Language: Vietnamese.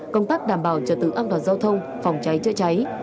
công tác đảm bảo trả tự an toàn giao thông phòng cháy trợ cháy